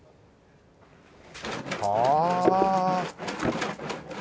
はあ。